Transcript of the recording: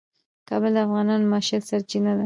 کابل د افغانانو د معیشت سرچینه ده.